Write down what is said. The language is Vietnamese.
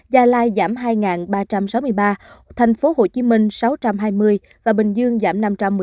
gia lai giảm hai ba trăm sáu mươi ba thành phố hồ chí minh sáu trăm hai mươi và bình dương giảm năm trăm một mươi ba